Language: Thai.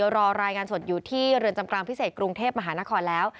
รอรายงานสดอยู่ที่เรือนจำกลางพิเศษกรุงเทพมหานครแล้ว